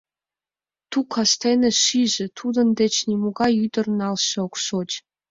Ту кастенак шиже: тудын деч нимогай ӱдыр налше ок шоч.